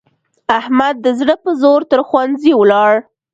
احمد د زړه په زور تر ښوونځي ولاړ.